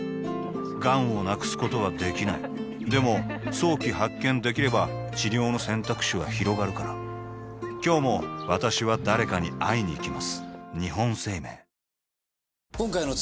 がんを無くすことはできないでも早期発見できれば治療の選択肢はひろがるから今日も私は誰かに会いにいきます